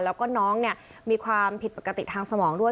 แล้วก็น้องมีความผิดปกติทางสมองด้วย